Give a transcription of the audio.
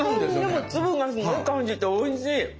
でも粒がすごい感じておいしい！